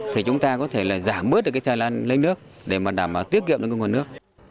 thì chúng ta có thể giảm bớt thời gian lấy nước để tiết kiệm được nguồn nước